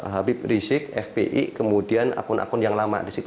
habib rizik fpi kemudian akun akun yang lama di situ